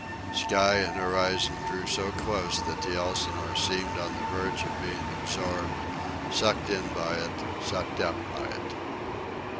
Sky and horizon drew so close that the Elsinore seemed on the verge of being absorbed, sucked in by it, sucked up by it.